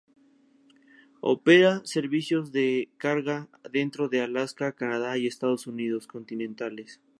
Opera servicios de carga dentro de Alaska, Canadá y Estados Unidos continentales.